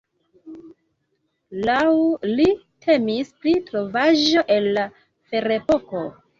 Laŭ li, temis pri trovaĵo el la ferepoko.